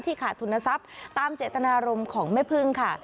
ขาดทุนทรัพย์ตามเจตนารมณ์ของแม่พึ่งค่ะ